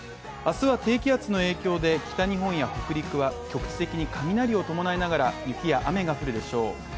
明日は低気圧の影響で北日本や北陸は局地的に雷を伴いながら雪や雨が降るでしょう。